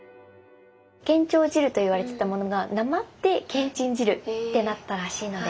「建長汁」と言われてたものがなまって「けんちん汁」ってなったらしいので。